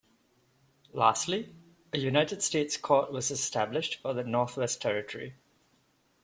Lastly, a United States court was established for the Northwest Territory.